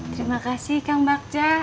terima kasih kang bagja